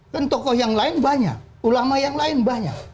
kan tokoh yang lain banyak ulama yang lain banyak